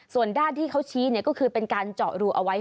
ส่วนด้านที่เขาชี้ก็คือเป็นการเจาะรูเอาไว้